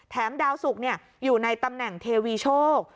ดาวสุกอยู่ในตำแหน่งเทวีโชค